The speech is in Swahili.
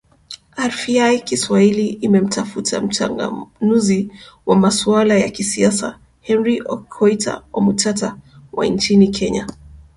rfi kiswahili imemtafuta mchanganuzi wa masuala ya kisiasa henry okoita omutata wa nchini kenya